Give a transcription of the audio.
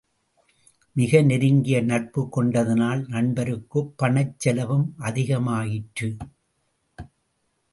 மிக நெருங்கிய நட்புக் கொண்டதனால் நண்பருக்குப் பணச் செலவும் அதிகமாயிற்று.